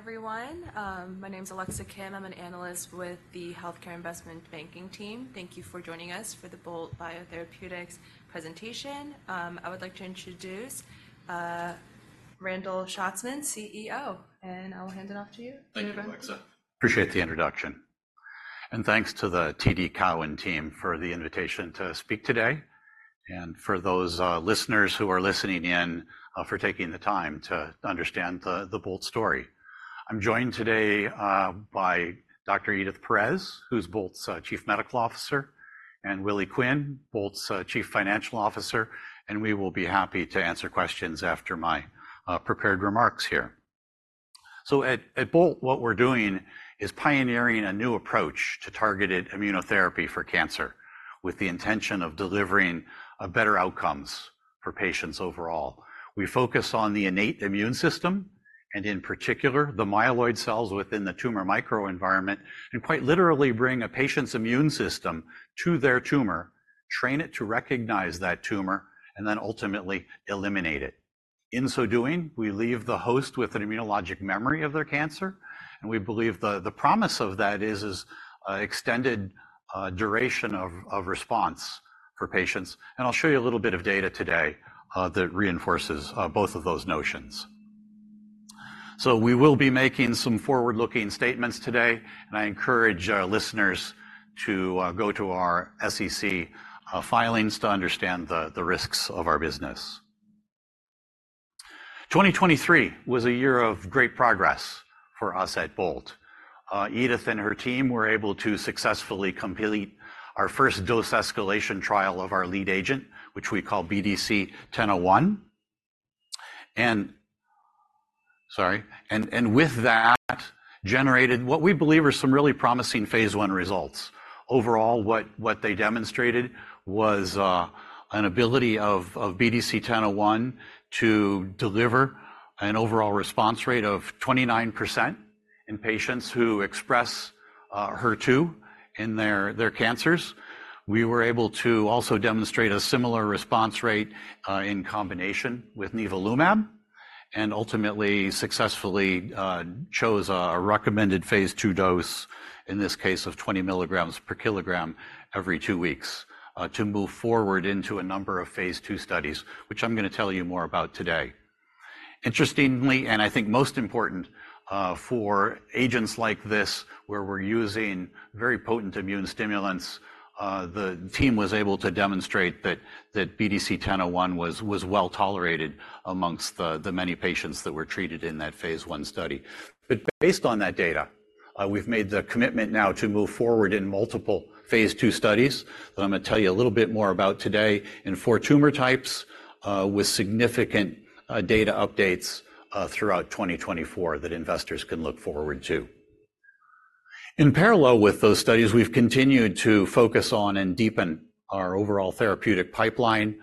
Hi everyone, my name's Alexa Kim. I'm an analyst with the Healthcare Investment Banking team. Thank you for joining us for the Bolt Biotherapeutics presentation. I would like to introduce Randall Schatzman, CEO, and I will hand it off to you. Thank you, Alexa. Thank you, Alexa. Appreciate the introduction. And thanks to the TD Cowen team for the invitation to speak today, and for those listeners who are listening in, for taking the time to understand the Bolt story. I'm joined today by Dr. Edith Perez, who's Bolt's Chief Medical Officer, and Willie Quinn, Bolt's Chief Financial Officer, and we will be happy to answer questions after my prepared remarks here. So at Bolt, what we're doing is pioneering a new approach to targeted immunotherapy for cancer with the intention of delivering better outcomes for patients overall. We focus on the innate immune system and, in particular, the myeloid cells within the tumor microenvironment and quite literally bring a patient's immune system to their tumor, train it to recognize that tumor, and then ultimately eliminate it. In so doing, we leave the host with an immunologic memory of their cancer, and we believe the promise of that is extended duration of response for patients. And I'll show you a little bit of data today that reinforces both of those notions. So we will be making some forward-looking statements today, and I encourage listeners to go to our SEC filings to understand the risks of our business. 2023 was a year of great progress for us at Bolt. Edith and her team were able to successfully complete our first dose escalation trial of our lead agent, which we call BDC-1001. And with that generated what we believe are some really promising phase I results. Overall, what they demonstrated was an ability of BDC-1001 to deliver an overall response rate of 29% in patients who express HER2 in their cancers. We were able to also demonstrate a similar response rate in combination with nivolumab and ultimately successfully chose a recommended phase II dose, in this case of 20 mg per kilogram every two weeks, to move forward into a number of phase II studies, which I'm gonna tell you more about today. Interestingly, and I think most important for agents like this where we're using very potent immune stimulants, the team was able to demonstrate that BDC-1001 was well tolerated amongst the many patients that were treated in that phase I study. But based on that data, we've made the commitment now to move forward in multiple phase II studies that I'm gonna tell you a little bit more about today in four tumor types, with significant data updates throughout 2024 that investors can look forward to. In parallel with those studies, we've continued to focus on and deepen our overall therapeutic pipeline.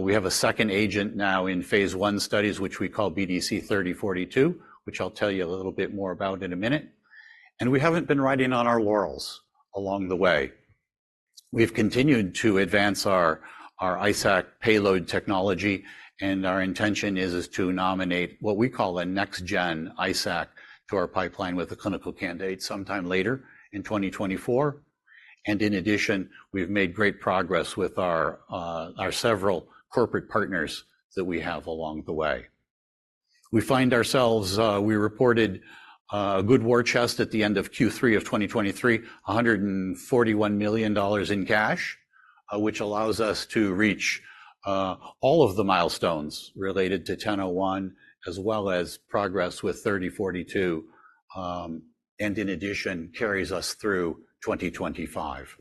We have a second agent now in phase I studies, which we call BDC-3042, which I'll tell you a little bit more about in a minute. And we haven't been riding on our laurels along the way. We've continued to advance our ISAC payload technology, and our intention is to nominate what we call a next-gen ISAC to our pipeline with a clinical candidate sometime later in 2024. In addition, we've made great progress with our several corporate partners that we have along the way. We find ourselves. We reported a good war chest at the end of Q3 of 2023, $141 million in cash, which allows us to reach all of the milestones related to 1001 as well as progress with 3042, and in addition carries us through 2025.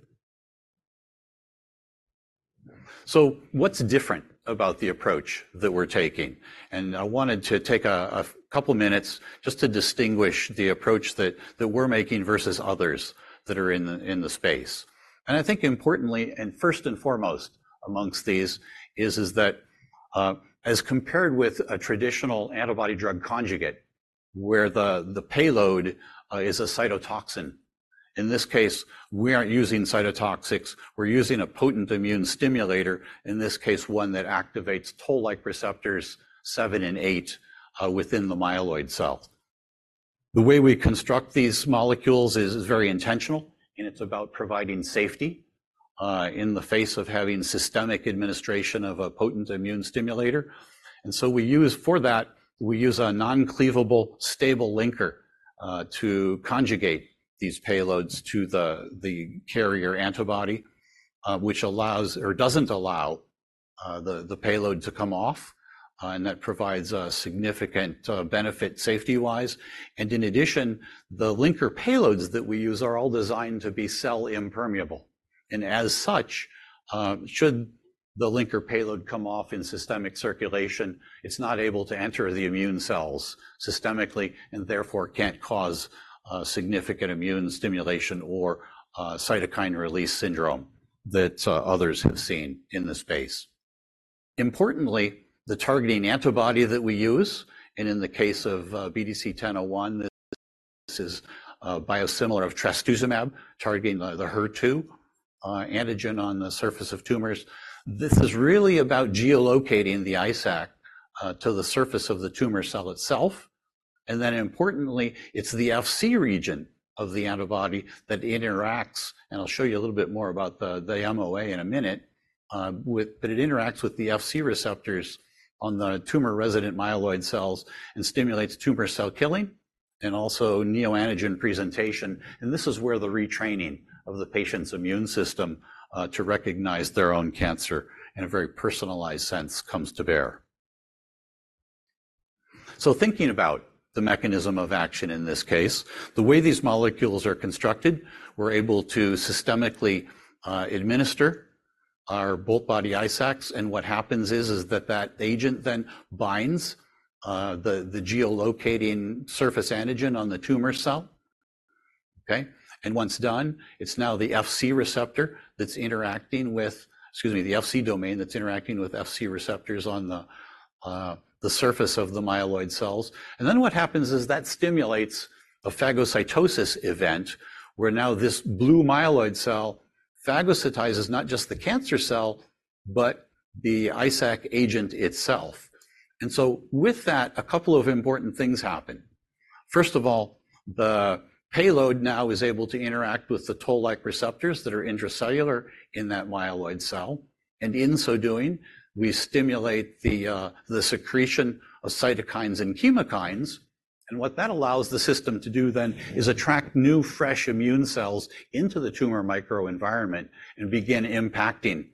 So what's different about the approach that we're taking? I wanted to take a couple minutes just to distinguish the approach that we're making versus others that are in the space. I think importantly, and first and foremost amongst these, is that, as compared with a traditional antibody-drug conjugate where the payload is a cytotoxin, in this case, we aren't using cytotoxics. We're using a potent immune stimulator, in this case, one that activates toll-like receptors seven and eight, within the myeloid cell. The way we construct these molecules is very intentional, and it's about providing safety, in the face of having systemic administration of a potent immune stimulator. And so we use for that a non-cleavable stable linker, to conjugate these payloads to the carrier antibody, which doesn't allow the payload to come off, and that provides a significant benefit safety-wise. And in addition, the linker payloads that we use are all designed to be cell impermeable. And as such, should the linker payload come off in systemic circulation, it's not able to enter the immune cells systemically and therefore can't cause significant immune stimulation or cytokine release syndrome that others have seen in the space. Importantly, the targeting antibody that we use, and in the case of BDC-1001, this is a biosimilar of trastuzumab targeting the HER2 antigen on the surface of tumors. This is really about geolocating the ISAC to the surface of the tumor cell itself. And then importantly, it's the Fc region of the antibody that interacts, and I'll show you a little bit more about the MOA in a minute, but it interacts with the Fc receptors on the tumor-resident myeloid cells and stimulates tumor cell killing and also neoantigen presentation. And this is where the retraining of the patient's immune system to recognize their own cancer in a very personalized sense comes to bear. So thinking about the mechanism of action in this case, the way these molecules are constructed, we're able to systemically administer our Boltbody ISACs. And what happens is that that agent then binds the tumor-localizing surface antigen on the tumor cell, okay? And once done, it's now the Fc receptor that's interacting with excuse me, the Fc domain that's interacting with Fc receptors on the surface of the myeloid cells. And then what happens is that stimulates a phagocytosis event where now this blue myeloid cell phagocytizes not just the cancer cell, but the ISAC agent itself. And so with that, a couple of important things happen. First of all, the payload now is able to interact with the toll-like receptors that are intracellular in that myeloid cell. And in so doing, we stimulate the secretion of cytokines and chemokines. And what that allows the system to do then is attract new fresh immune cells into the tumor microenvironment and begin impacting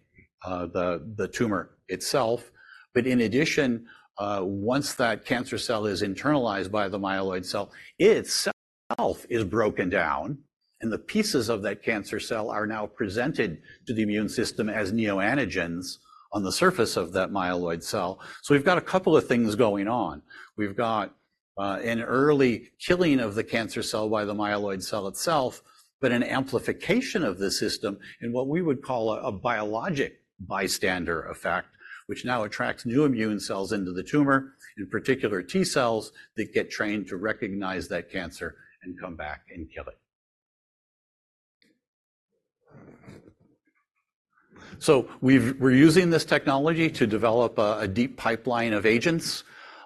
the tumor itself. But in addition, once that cancer cell is internalized by the myeloid cell, itself is broken down, and the pieces of that cancer cell are now presented to the immune system as neoantigens on the surface of that myeloid cell. So we've got a couple of things going on. We've got an early killing of the cancer cell by the myeloid cell itself, but an amplification of the system in what we would call a biologic bystander effect, which now attracts new immune cells into the tumor, in particular T cells that get trained to recognize that cancer and come back and kill it. So we're using this technology to develop a deep pipeline of agents.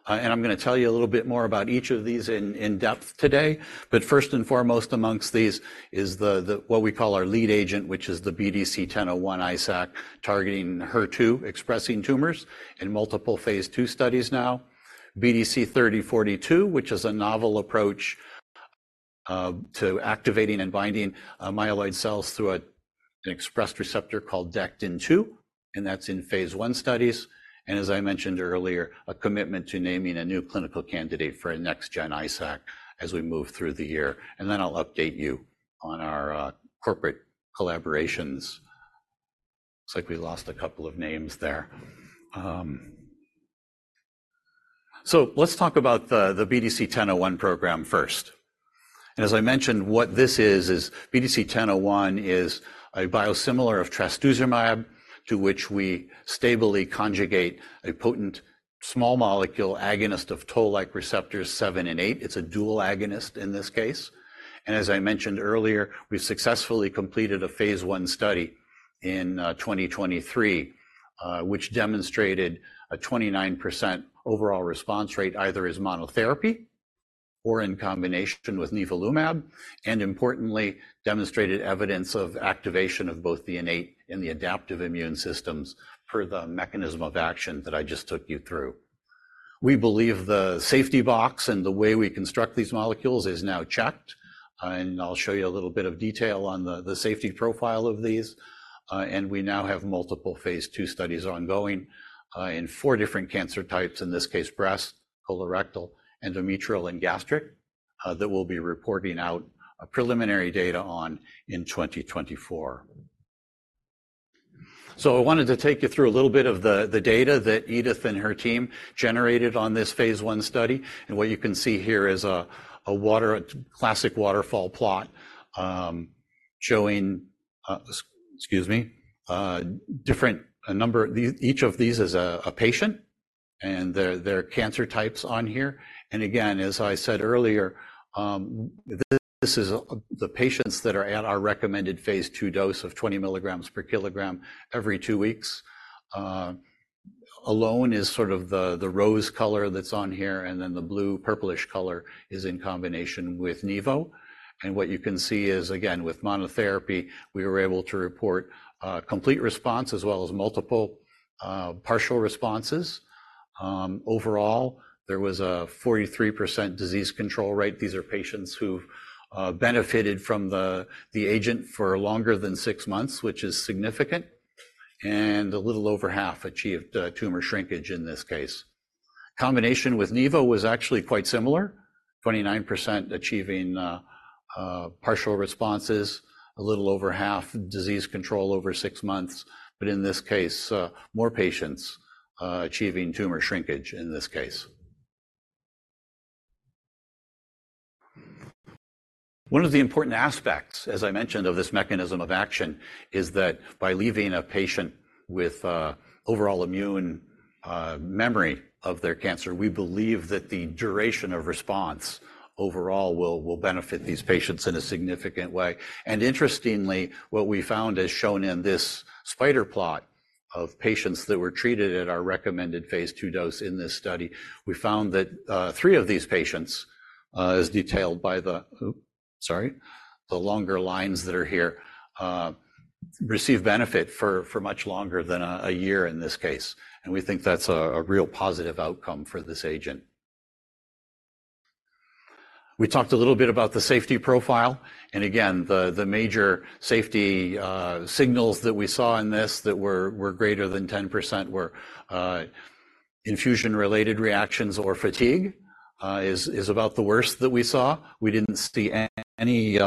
And I'm gonna tell you a little bit more about each of these in depth today. But first and foremost among these is the what we call our lead agent, which is the BDC-1001 ISAC targeting HER2 expressing tumors in multiple phase II studies now. BDC-3042, which is a novel approach to activating and binding myeloid cells through an expressed receptor called Dectin-2, and that's in phase I studies. As I mentioned earlier, a commitment to naming a new clinical candidate for a next-gen ISAC as we move through the year. Then I'll update you on our corporate collaborations. Looks like we lost a couple of names there. So let's talk about the BDC-1001 program first. As I mentioned, what this is, is BDC-1001 is a biosimilar of trastuzumab to which we stably conjugate a potent small molecule agonist of Toll-like receptors seven and eight. It's a dual agonist in this case. As I mentioned earlier, we've successfully completed a phase I study in 2023, which demonstrated a 29% overall response rate either as monotherapy or in combination with nivolumab and importantly demonstrated evidence of activation of both the innate and the adaptive immune systems per the mechanism of action that I just took you through. We believe the safety box and the way we construct these molecules is now checked, and I'll show you a little bit of detail on the safety profile of these. And we now have multiple phase II studies ongoing in four different cancer types, in this case breast, colorectal, endometrial, and gastric, that we'll be reporting out preliminary data on in 2024. So I wanted to take you through a little bit of the data that Edith and her team generated on this phase I study. And what you can see here is a classic waterfall plot, showing—excuse me—different, a number of these. Each of these is a patient and their cancer types on here. And again, as I said earlier, this is the patients that are at our recommended phase II dose of 20 mg per kg every two weeks. Alone is sort of the rose color that's on here, and then the blue purplish color is in combination with nivo. And what you can see is, again, with monotherapy, we were able to report complete response as well as multiple partial responses. Overall, there was a 43% disease control rate. These are patients who've benefited from the agent for longer than six months, which is significant, and a little over half achieved tumor shrinkage in this case. Combination with nivo was actually quite similar, 29% achieving partial responses, a little over half disease control over six months. But in this case, more patients achieving tumor shrinkage in this case. One of the important aspects, as I mentioned, of this mechanism of action is that by leaving a patient with overall immune memory of their cancer, we believe that the duration of response overall will benefit these patients in a significant way. And interestingly, what we found is shown in this spider plot of patients that were treated at our recommended phase II dose in this study. We found that three of these patients, as detailed by the longer lines that are here, receive benefit for much longer than a year in this case. And we think that's a real positive outcome for this agent. We talked a little bit about the safety profile. Again, the major safety signals that we saw in this that were greater than 10% were infusion-related reactions or fatigue, is about the worst that we saw. We didn't see any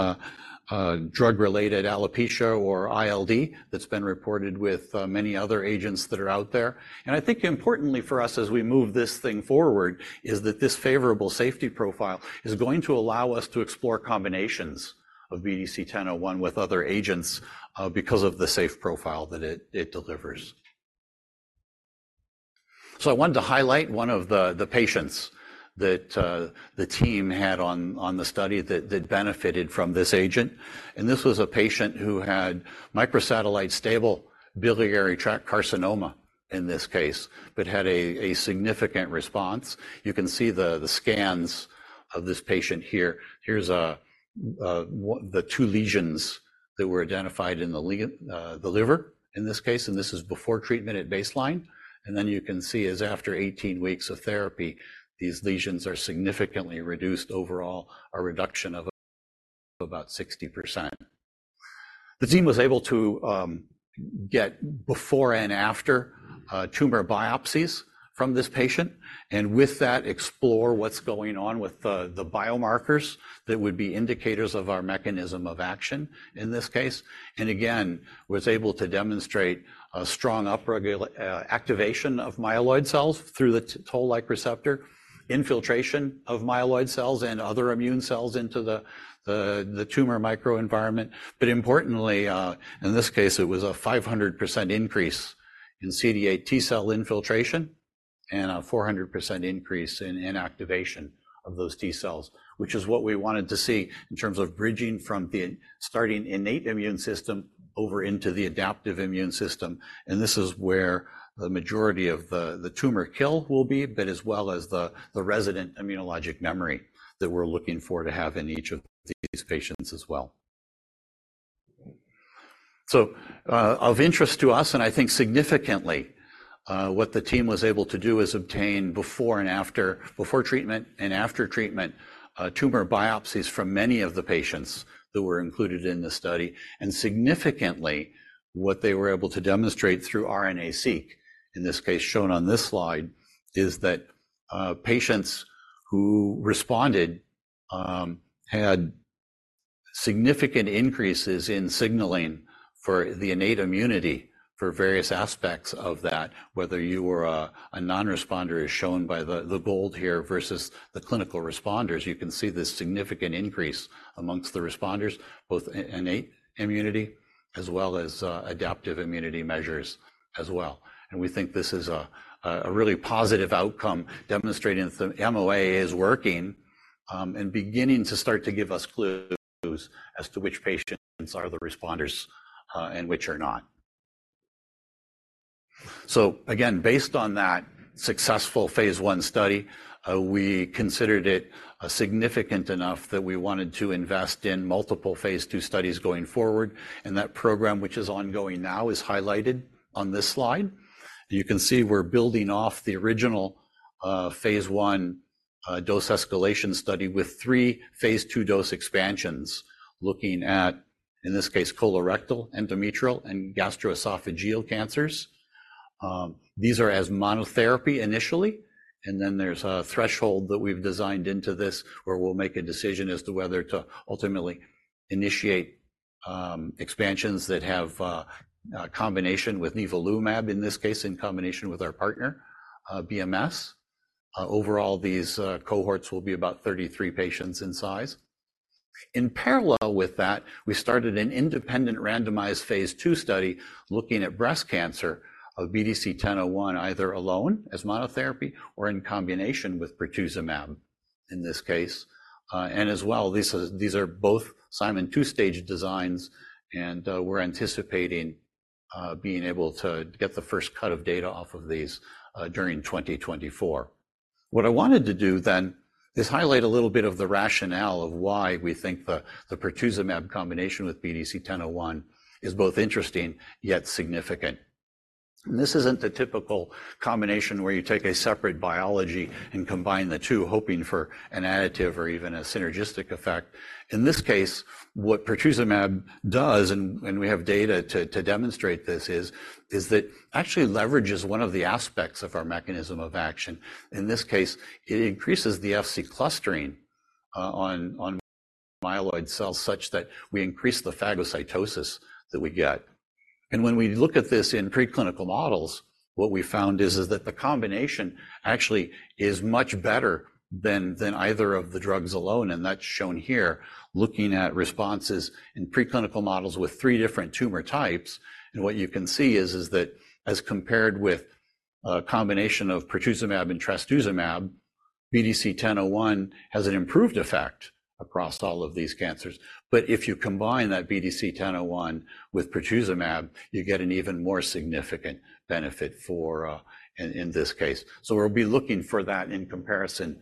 drug-related alopecia or ILD that's been reported with many other agents that are out there. And I think importantly for us as we move this thing forward is that this favorable safety profile is going to allow us to explore combinations of BDC-1001 with other agents, because of the safe profile that it delivers. So I wanted to highlight one of the patients that the team had on the study that benefited from this agent. And this was a patient who had microsatellite stable biliary tract carcinoma in this case, but had a significant response. You can see the scans of this patient here. Here's the two lesions that were identified in the liver in this case. This is before treatment at baseline. Then you can see is after 18 weeks of therapy, these lesions are significantly reduced overall, a reduction of about 60%. The team was able to get before and after tumor biopsies from this patient and with that explore what's going on with the biomarkers that would be indicators of our mechanism of action in this case. And again, was able to demonstrate a strong upregulation activation of myeloid cells through the Toll-like receptor, infiltration of myeloid cells and other immune cells into the tumor microenvironment. But importantly, in this case, it was a 500% increase in CD8 T cell infiltration and a 400% increase in inactivation of those T cells, which is what we wanted to see in terms of bridging from the starting innate immune system over into the adaptive immune system. And this is where the majority of the, the tumor kill will be, but as well as the, the resident immunologic memory that we're looking for to have in each of these patients as well. So, of interest to us, and I think significantly, what the team was able to do is obtain before and after, before treatment and after treatment, tumor biopsies from many of the patients that were included in the study. Significantly, what they were able to demonstrate through RNA-seq, in this case shown on this slide, is that patients who responded had significant increases in signaling for the innate immunity for various aspects of that, whether you were a non-responder as shown by the gold here versus the clinical responders. You can see this significant increase among the responders, both innate immunity as well as adaptive immunity measures as well. We think this is a really positive outcome demonstrating that the MOA is working, and beginning to start to give us clues as to which patients are the responders, and which are not. Based on that successful phase I study, we considered it significant enough that we wanted to invest in multiple phase II studies going forward. That program, which is ongoing now, is highlighted on this slide. You can see we're building off the original phase I dose escalation study with three phase II dose expansions looking at, in this case, colorectal, endometrial, and gastroesophageal cancers. These are as monotherapy initially. Then there's a threshold that we've designed into this where we'll make a decision as to whether to ultimately initiate expansions that have combination with nivolumab in this case, in combination with our partner, BMS. Overall, these cohorts will be about 33 patients in size. In parallel with that, we started an independent randomized phase II study looking at breast cancer of BDC-1001 either alone as monotherapy or in combination with pertuzumab in this case. And as well, these are both Simon two-stage designs and we're anticipating being able to get the first cut of data off of these during 2024. What I wanted to do then is highlight a little bit of the rationale of why we think the pertuzumab combination with BDC-1001 is both interesting yet significant. This isn't the typical combination where you take a separate biology and combine the two hoping for an additive or even a synergistic effect. In this case, what pertuzumab does, and we have data to demonstrate this is that actually leverages one of the aspects of our mechanism of action. In this case, it increases the Fc clustering on myeloid cells such that we increase the phagocytosis that we get. When we look at this in preclinical models, what we found is that the combination actually is much better than either of the drugs alone. That's shown here looking at responses in preclinical models with three different tumor types. And what you can see is that as compared with a combination of pertuzumab and trastuzumab, BDC-1001 has an improved effect across all of these cancers. But if you combine that BDC-1001 with pertuzumab, you get an even more significant benefit for, in this case. So we'll be looking for that in comparison,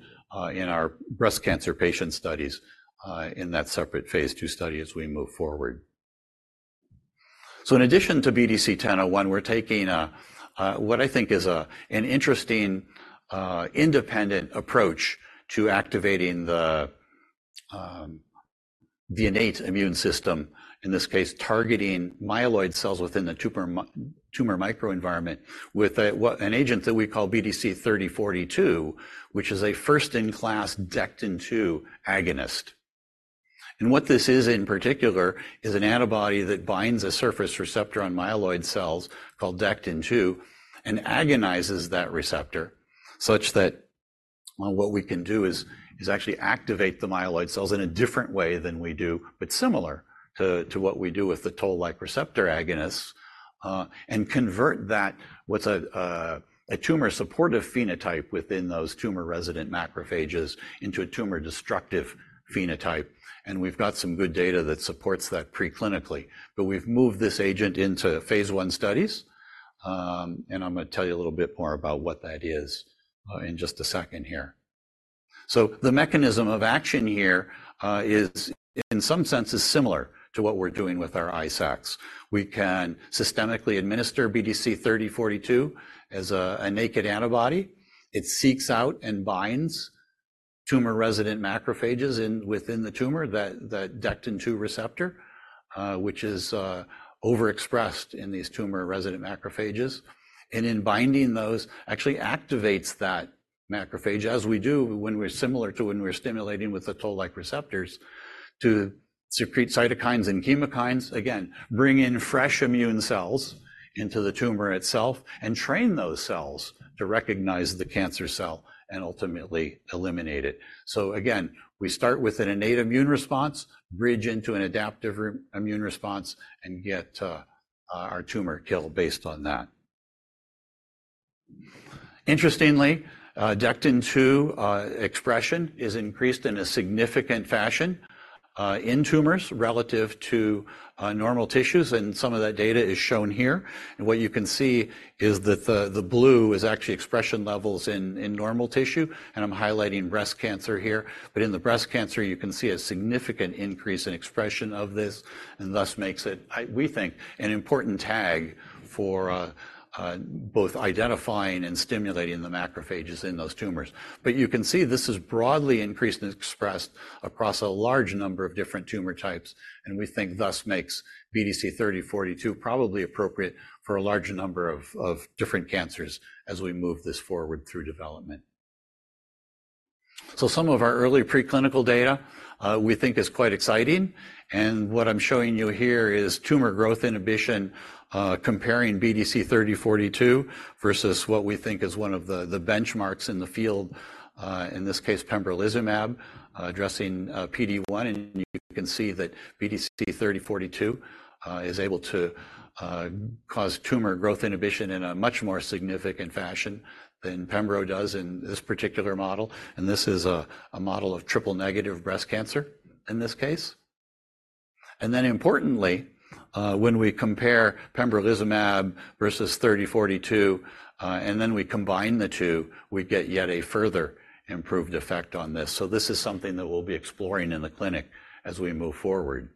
in our breast cancer patient studies, in that separate phase II study as we move forward. So in addition to BDC-1001, we're taking a, what I think is a, an interesting, independent approach to activating the innate immune system, in this case targeting myeloid cells within the tumor microenvironment with an agent that we call BDC-3042, which is a first-in-class Dectin-2 agonist. And what this is in particular is an antibody that binds a surface receptor on myeloid cells called Dectin-2 and agonizes that receptor such that, well, what we can do is, is actually activate the myeloid cells in a different way than we do, but similar to, to what we do with the Toll-like receptor agonists, and convert that what's a, a tumor supportive phenotype within those tumor resident macrophages into a tumor destructive phenotype. And we've got some good data that supports that preclinically, but we've moved this agent into phase I studies. And I'm gonna tell you a little bit more about what that is, in just a second here. So the mechanism of action here, is in some sense is similar to what we're doing with our ISACs. We can systemically administer BDC-3042 as a, a naked antibody. It seeks out and binds tumor resident macrophages in the tumor, that Dectin-2 receptor, which is overexpressed in these tumor resident macrophages. And in binding those, actually activates that macrophage as we do when we're similar to when we're stimulating with the toll-like receptors to secrete cytokines and chemokines. Again, bring in fresh immune cells into the tumor itself and train those cells to recognize the cancer cell and ultimately eliminate it. So again, we start with an innate immune response, bridge into an adaptive immune response, and get our tumor kill based on that. Interestingly, Dectin-2 expression is increased in a significant fashion in tumors relative to normal tissues. And some of that data is shown here. And what you can see is that the blue is actually expression levels in normal tissue. And I'm highlighting breast cancer here. But in the breast cancer, you can see a significant increase in expression of this and thus makes it, I we think, an important tag for both identifying and stimulating the macrophages in those tumors. But you can see this is broadly increased and expressed across a large number of different tumor types. And we think thus makes BDC-3042 probably appropriate for a larger number of, of different cancers as we move this forward through development. So some of our early preclinical data, we think is quite exciting. And what I'm showing you here is tumor growth inhibition, comparing BDC-3042 versus what we think is one of the, the benchmarks in the field, in this case, pembrolizumab, addressing PD-1. And you can see that BDC-3042 is able to cause tumor growth inhibition in a much more significant fashion than pembro does in this particular model. This is a, a model of triple negative breast cancer in this case. Then importantly, when we compare pembrolizumab versus 3042, and then we combine the two, we get yet a further improved effect on this. This is something that we'll be exploring in the clinic as we move forward.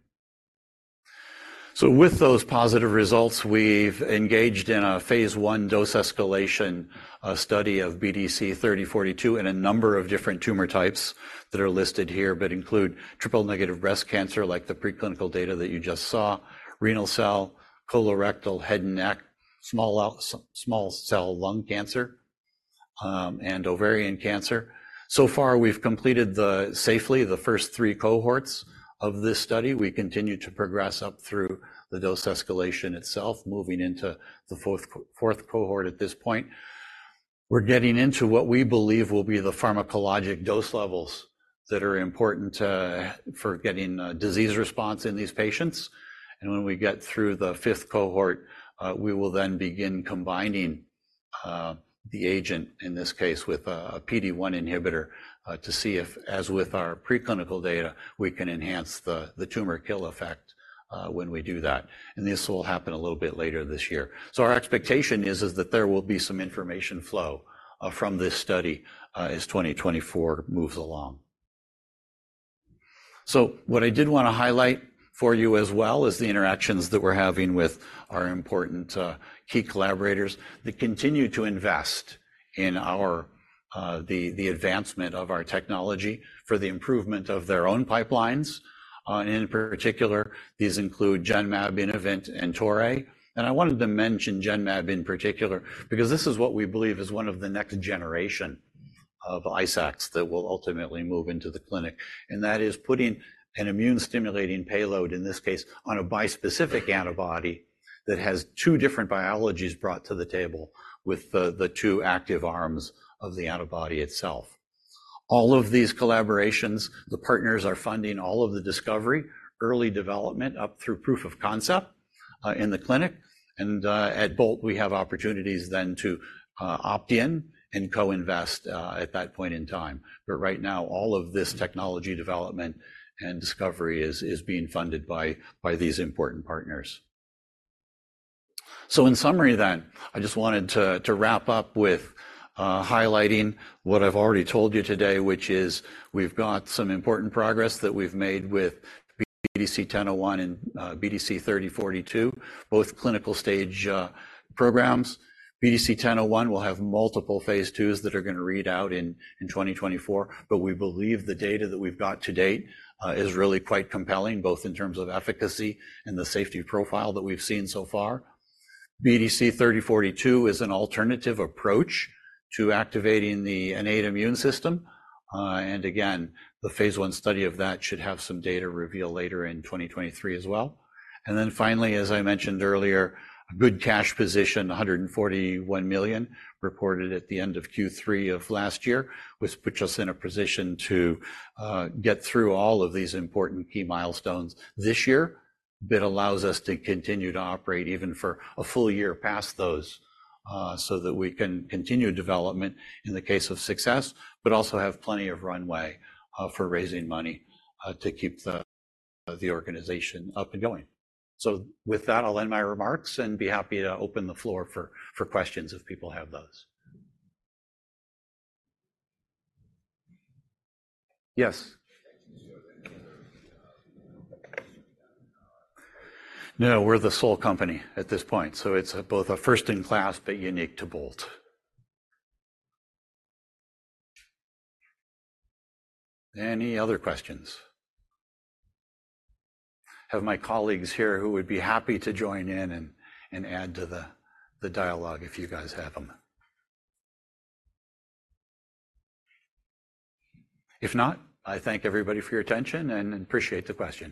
With those positive results, we've engaged in a phase I dose escalation study of BDC-3042 and a number of different tumor types that are listed here, but include triple negative breast cancer like the preclinical data that you just saw, renal cell, colorectal, head and neck, small cell lung cancer, and ovarian cancer. So far we've completed safely the first three cohorts of this study. We continue to progress up through the dose escalation itself, moving into the fourth cohort at this point. We're getting into what we believe will be the pharmacologic dose levels that are important to for getting a disease response in these patients. And when we get through the fifth cohort, we will then begin combining the agent in this case with a PD-1 inhibitor, to see if, as with our preclinical data, we can enhance the tumor kill effect when we do that. And this will happen a little bit later this year. So our expectation is that there will be some information flow from this study as 2024 moves along. So what I did wanna highlight for you as well is the interactions that we're having with our important key collaborators that continue to invest in the advancement of our technology for the improvement of their own pipelines. And in particular, these include Genmab, Innovent, and Toray. I wanted to mention Genmab in particular because this is what we believe is one of the next generation of ISACs that will ultimately move into the clinic. And that is putting an immune stimulating payload, in this case, on a bispecific antibody that has two different biologies brought to the table with the, the two active arms of the antibody itself. All of these collaborations, the partners are funding all of the discovery, early development up through proof of concept, in the clinic. And, at Bolt, we have opportunities then to, opt in and co-invest, at that point in time. But right now, all of this technology development and discovery is, is being funded by, by these important partners. So in summary then, I just wanted to wrap up with highlighting what I've already told you today, which is we've got some important progress that we've made with BDC-1001 and BDC-3042, both clinical-stage programs. BDC-1001 will have multiple phase IIs that are gonna read out in 2024. But we believe the data that we've got to date is really quite compelling, both in terms of efficacy and the safety profile that we've seen so far. BDC-3042 is an alternative approach to activating the innate immune system, and again, the phase I study of that should have some data reveal later in 2023 as well. Then finally, as I mentioned earlier, a good cash position, $141 million reported at the end of Q3 of last year, which puts us in a position to get through all of these important key milestones this year, but allows us to continue to operate even for a full year past those, so that we can continue development in the case of success, but also have plenty of runway for raising money to keep the organization up and going. So with that, I'll end my remarks and be happy to open the floor for questions if people have those. Yes. No, we're the sole company at this point. So it's both a first-in-class but unique to Bolt. Any other questions? Have my colleagues here who would be happy to join in and add to the dialogue if you guys have 'em? If not, I thank everybody for your attention and appreciate the questions.